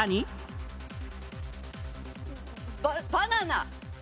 バナナ。